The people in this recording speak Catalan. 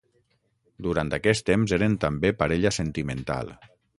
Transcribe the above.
Durant aquest temps, eren també parella sentimental.